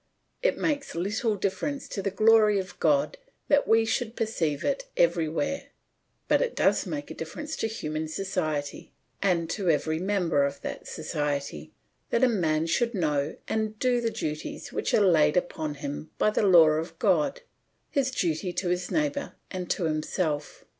It makes little difference to the glory of God that we should perceive it everywhere, but it does make a difference to human society, and to every member of that society, that a man should know and do the duties which are laid upon him by the law of God, his duty to his neighbour and to himself.